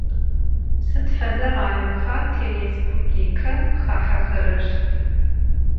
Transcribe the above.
Sıd fede rayonxa tirêspublike xahexerer?